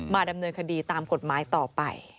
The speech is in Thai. ดำเนินคดีตามกฎหมายต่อไป